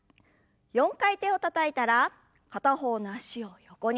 ４回手をたたいたら片方の脚を横に。